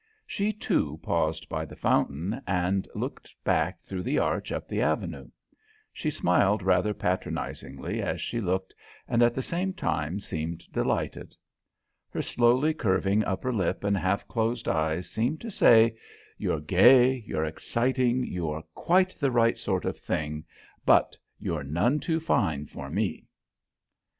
She, too, paused by the fountain and looked back through the Arch up the Avenue. She smiled rather patronizingly as she looked, and at the same time seemed delighted. Her slowly curving upper lip and half closed eyes seemed to say: "You're gay, you're exciting, you are quite the right sort of thing; but you're none too fine for me!"